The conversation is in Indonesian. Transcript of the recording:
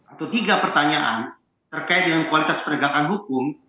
atau tiga pertanyaan terkait dengan kualitas penegakan hukum